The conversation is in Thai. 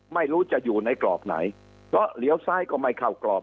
ไม่รู้จะอยู่ในกรอบไหนเพราะเหลียวซ้ายก็ไม่เข้ากรอบ